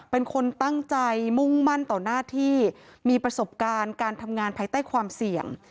เป็นคนตั้งใจมุ่งมั่นต่อหน้าที่มีประสบการณ์การทำงานภายใต้ความเสี่ยง